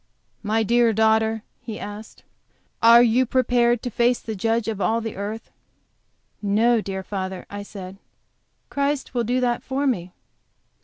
"My dear daughter," he asked, "are you prepared to face the Judge of all the earth?" "No, dear father," I said, "Christ will do that for me."